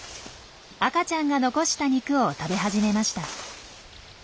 赤ちゃんが残した肉を食べ始めました。